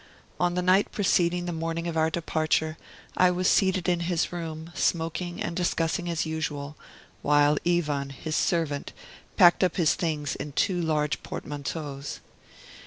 On the night preceding the morning of our departure, I was seated in his room, smoking and discussing as usual, while Ivan, his servant, packed up his things in two large portmanteaus.